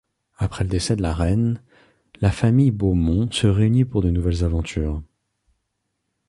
Après le décès de Reine, la famille Beaumont se réunit pour de nouvelles aventures...